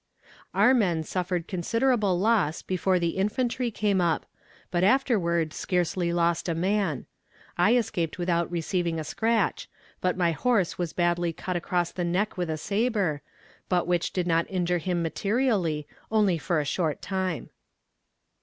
Our men suffered considerable loss before the infantry came up, but afterward scarcely lost a man. I escaped without receiving a scratch, but my horse was badly cut across the neck with a saber, but which did not injure him materially, only for a short time.